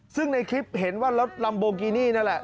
ซึ่งในคลิปเห็นว่ารถลัมโบกินี่นั่นแหละ